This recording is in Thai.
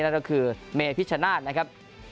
นั่นก็คือมพิชชนะตนะครับ